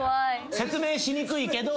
説明しにくいけど。